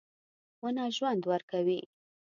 • ونه ژوند ورکوي.